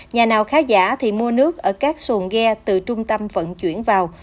nhà nào khá giả thì mua nước ở các xuồng ghe từ trung tâm vận chuyển vào